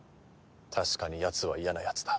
確かにやつは嫌なやつだ。